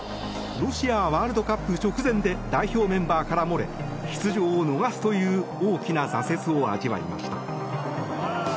ロシアワールドカップ直前で代表メンバーから漏れ出場を逃すという大きな挫折を味わいました。